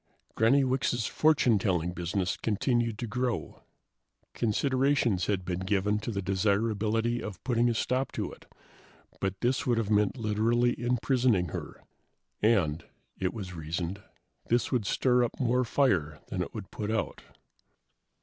Granny Wicks' fortunetelling business continued to grow. Considerations had been given to the desirability of putting a stop to it, but this would have meant literally imprisoning her, and, it was reasoned, this would stir up more fire than it would put out.